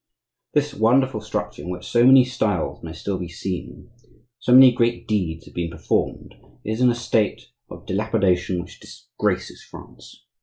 This wonderful structure, in which so many styles may still be seen, so many great deeds have been performed, is in a state of dilapidation which disgraces France.